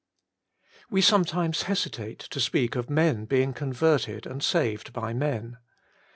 WE sometimes hesitate to speak of men being converted and saved by men.